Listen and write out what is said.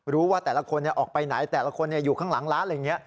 รู้ว่าแต่ละคนออกไปไหนแต่ละคนอยู่ข้างหลังร้านอะไรอย่างนี้